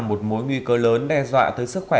một mối nguy cơ lớn đe dọa tới sức khỏe